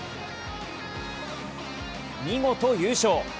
見事優勝！